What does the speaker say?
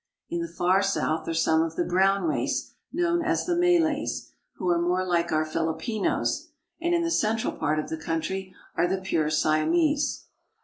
In the far south are some of the brown race known as the Malays, who are more like our Filipinos ; and in the central part of the country are the pure Siamese.